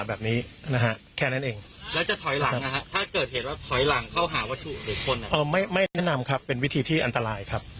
ไม่แนะนำครับเป็นวิธีที่อันตรายครับ